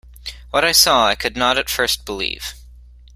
What I saw I could not at first believe.